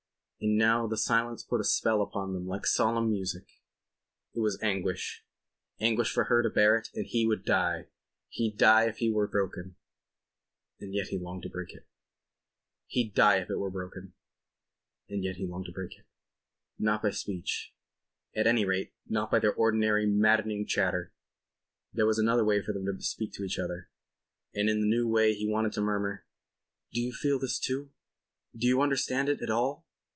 And now the silence put a spell upon them like solemn music. It was anguish—anguish for her to bear it and he would die—he'd die if it were broken. ... And yet he longed to break it. Not by speech. At any rate not by their ordinary maddening chatter. There was another way for them to speak to each other, and in the new way he wanted to murmur: "Do you feel this too? Do you understand it at all?"